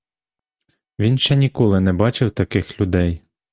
Він ще ніколи не бачив таких людей.